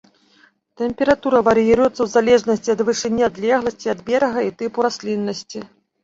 Тэмпература вар'іруецца ў залежнасці ад вышыні, адлегласці ад берага і тыпу расліннасці.